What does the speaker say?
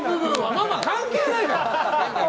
ママ関係ないから！